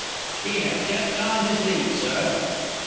"She has just gone to sleep, sir."